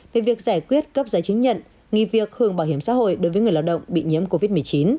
về việc giải quyết cấp giấy chứng nhận nghỉ việc hưởng bảo hiểm xã hội đối với người lao động bị nhiễm covid một mươi chín